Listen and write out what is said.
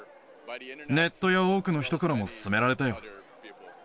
ネットや多くの人からも勧められたよ。